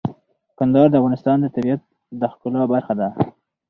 کندهار د افغانستان د طبیعت د ښکلا برخه ده.